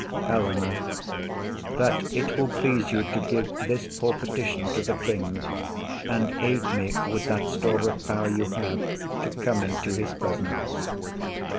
HELENA. That it will please you To give this poor petition to the king, And aid me with that store of power you have To come into his presence.